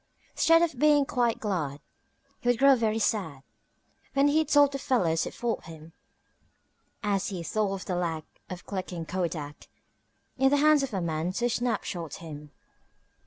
'Stead of being quite glad, he would grow very sad When he told of the fellows who'd fought him, As he thought of the lack of the clicking kodak In the hands of a man to "snapshot" him.